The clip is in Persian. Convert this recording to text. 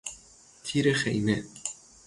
تیر خیمه